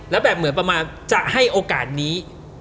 แล้วแบบเหมือนประมาณจะให้โอกาสนี้